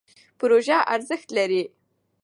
پروژه ارزښت لري.